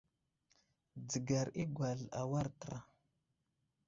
Dzəgar i aŋgwasl awar təra.